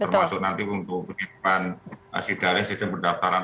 termasuk nanti untuk penyimpanan sidarik sistem pendaftaran